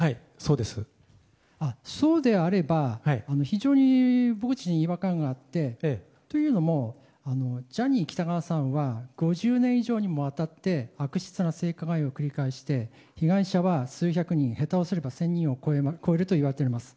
そうであれば非常に僕たちに違和感があってというのもジャニー喜多川さんは５０年以上にもわたって悪質な性加害を繰り返して被害者は数百人、下手をすれば１０００人を超えるといわれています。